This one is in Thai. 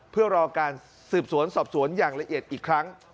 เพื่อรอการสืบสวนสอบสวนอย่างละเอียดอีกครั้ง